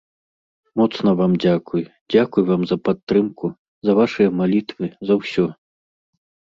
Моцна вам дзякуй, дзякуй вам за падтрымку, за вашыя малітвы, за ўсё.